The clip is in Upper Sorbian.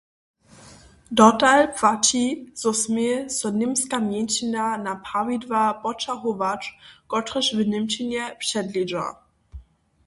Dotal płaći, zo smě so němska mjeńšina na prawidła poćahować, kotrež w němčinje předleža.